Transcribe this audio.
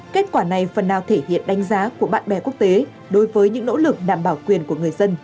kết quả này phần nào thể hiện đánh giá của bạn bè quốc tế đối với những nỗ lực đảm bảo quyền của người dân